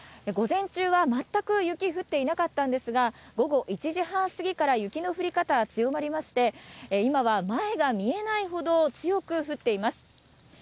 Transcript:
午前中は全く雪降っていなかったんですが、午後１時半過ぎから雪の降り方が強まりまして、今は前が見えないほど強く降っています。